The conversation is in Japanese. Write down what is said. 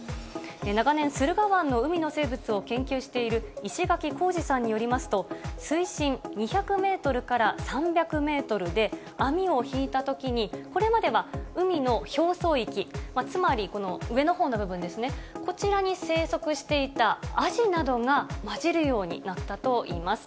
長年、駿河湾の海の生物を研究している石垣幸二さんによりますと、水深２００メートルから３００メートルで、網を引いたときに、これまでは海の表層域、つまりこの上のほうの部分ですね、こちらに生息していたアジなどが交じるようになったといいます。